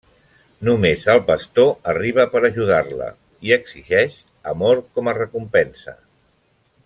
Només el pastor arriba per ajudar-la i exigeix amor com a recompensa.